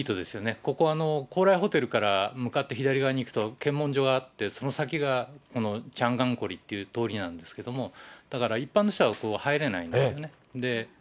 ここ、高麗ホテルから向かって左側に行くと、検問所があって、その先がこのという通りなんですけど、だから、一般の人は入れないんですね。